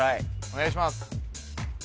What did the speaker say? お願いします